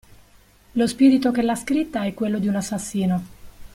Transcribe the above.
Lo spirito che l'ha scritta è quello di un assassino.